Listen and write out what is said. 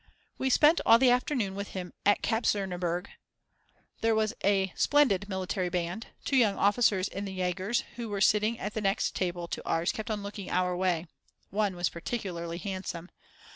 We spent all the afternoon with him at the Kapuzinerberg. There was a splendid military band; two young officers in the Yagers who were sitting at the next table to ours kept on looking our way; one was particularly handsome.